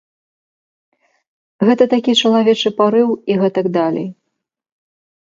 Гэта такі чалавечы парыў і гэтак далей.